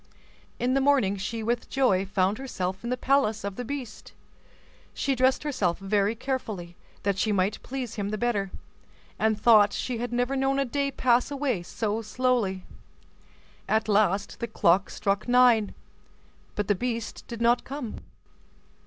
In the morning she with joy found herself in the palace of the beast. She dressed herself very carefully, that she might please him the better, and thought she had never known a day pass away so slowly. At last the clock struck nine, but the beast did not come.